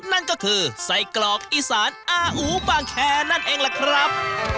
นั่นก็คือไส้กรอกอีสานอาอูบางแคร์นั่นเองล่ะครับ